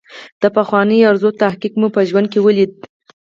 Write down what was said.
د پخوانۍ ارزو تحقق مې په ژوند کې ولید.